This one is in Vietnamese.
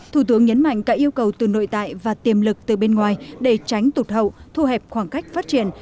thủ tướng nhấn mạnh cả yêu cầu từ nội tại và tiềm lực từ bên ngoài để tránh tụt hậu thu hẹp khoảng cách phát triển